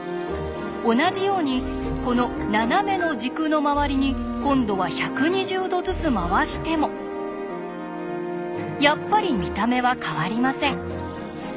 同じようにこの斜めの軸の周りに今度は１２０度ずつ回してもやっぱり見た目は変わりません。